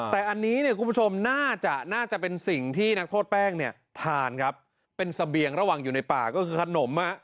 แต่อันนี้คุณผู้ชมน่าจะเป็นสิ่งที่นักโทษแป้งทานครับเป็นสะเบียงระหว่างอยู่ในป่าก็คือขนม